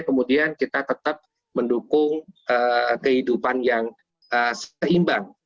kemudian kita tetap mendukung kehidupan yang seimbang